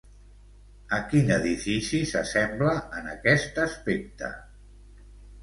A quin edifici s'assembla, en aquest aspecte?